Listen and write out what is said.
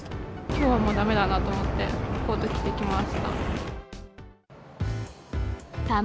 きょうはもうだめだなと思って、コート着てきました。